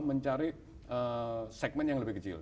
mencari segmen yang lebih kecil